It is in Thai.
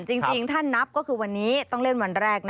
จริงถ้านับก็คือวันนี้ต้องเล่นวันแรกนะ